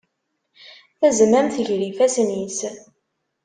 Tazmamt gar yifassen-is.